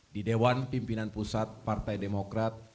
di dewan pimpinan pusat partai demokrat